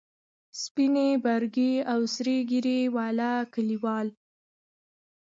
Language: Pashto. سپینې، برګې او سرې ږیرې والا کلیوال.